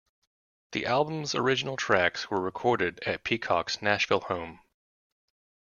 The album's original tracks, were recorded at Peacock's Nashville home.